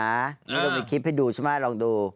นี่เรามีคลิปให้ดูใช่ไหมลองดู